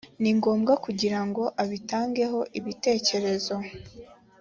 ni ngombwa kugira ngo abitangeho ibitekerezo